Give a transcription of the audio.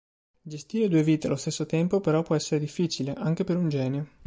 Gestire due vite allo stesso tempo però può essere difficile, anche per un genio.